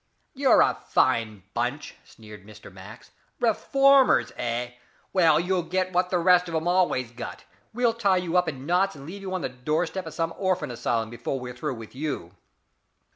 "You're a fine bunch," sneered Mr. Max. "Reformers, eh? Well, you'll get what the rest of 'em always got. We'll tie you up in knots and leave you on the door step of some orphan asylum before we're through with you."